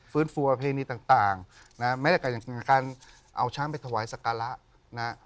ฟื้นฟูวอเภณีต่างต่างนะฮะแม้แต่กันอย่างการเอาช้างไปถวายสการะนะฮะ